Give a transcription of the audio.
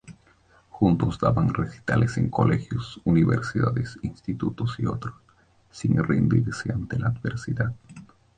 Juntos daban recitales en Colegios, Universidades, Institutos y otros, sin rendirse ante la adversidad.